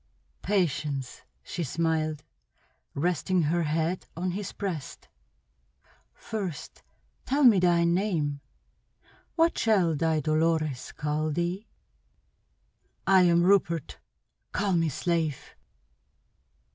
"Patience," she smiled, resting her head on his breast. "First tell me thy name. What shall thy Dolores call thee?" "I am Rupert. Call me slave!"